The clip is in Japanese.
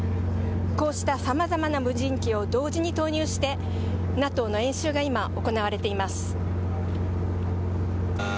こうしたさまざまな無人機を同時に投入して、ＮＡＴＯの演習が今、行われています。